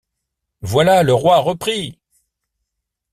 Voilà le roi repris!